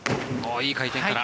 いい回転から。